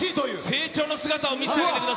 成長の姿を見せてあげてくだ